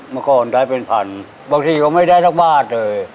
เมื่อก่อนได้เป็นพันบางทีก็ไม่ได้ทั้งบ้านเลย